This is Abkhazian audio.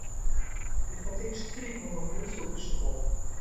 Ихаҭа иҽцәыригом, аха ус ауп ишыҟоу.